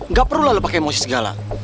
gak perlu lo pake emosi segala